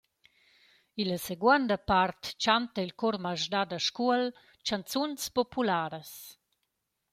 Illa seguonda part chanta il Cor masdà da Scuol chanzuns popularas.